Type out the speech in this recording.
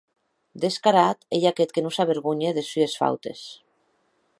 Descarat ei aqueth que non s’avergonhe des sues fautes.